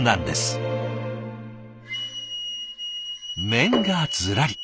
面がずらり。